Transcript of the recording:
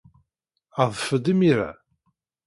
Adef-d imir-a.